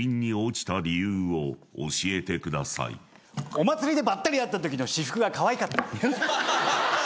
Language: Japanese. おまつりでばったり会ったときの私服がかわいかった。